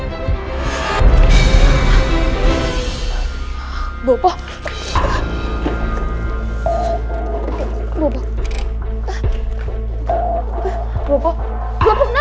waktu bobo ingin membunuhnya